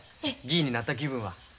議員になった気分は。